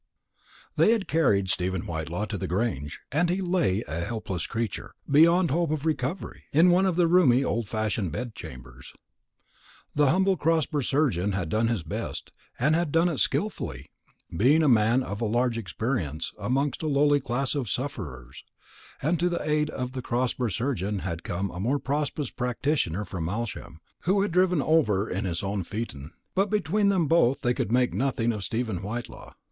They had carried Stephen Whitelaw to the Grange; and he lay a helpless creature, beyond hope of recovery, in one of the roomy old fashioned bed chambers. The humble Crosber surgeon had done his best, and had done it skilfully, being a man of large experience amongst a lowly class of sufferers; and to the aid of the Crosber surgeon had come a more prosperous practitioner from Malsham, who had driven over in his own phaeton; but between them both they could make nothing of Stephen Whitelaw.